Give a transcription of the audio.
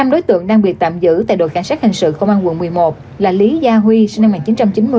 năm đối tượng đang bị tạm giữ tại đội cảnh sát hình sự công an quận một mươi một là lý gia huy sinh năm một nghìn chín trăm chín mươi